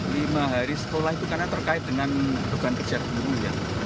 lima hari sekolah itu karena terkait dengan tugas pekerjaan guru ya